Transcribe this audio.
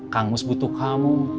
kang mus butuh kamu